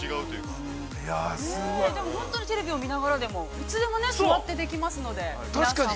すごい。◆本当にテレビを見ながらでもいつでも座ってできますので、◆確かに。